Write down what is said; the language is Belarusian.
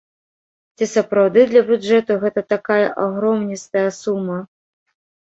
Ці сапраўды для бюджэту гэта такая агромністая сума?